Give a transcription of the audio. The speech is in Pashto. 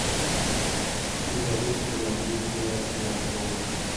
فیوډالېزم د نابودۍ پر ځای لا پیاوړی شو.